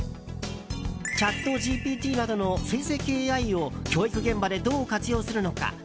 チャットＧＰＴなどの生成系ＡＩを教育現場でどう活用するのか。